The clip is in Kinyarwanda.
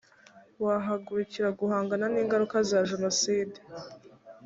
wahagurukira guhangana n’ingaruka za jenoside